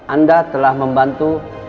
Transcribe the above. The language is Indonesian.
anda telah membantu